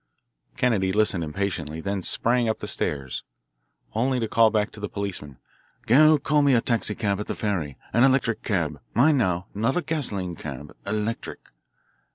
Kennedy listened impatiently, then sprang up the stairs, only to call back to the policeman: "Go call me a taxicab at the ferry, an electric cab. Mind, now, not a gasoline cab electric."